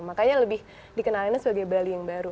makanya lebih dikenalinnya sebagai bali yang baru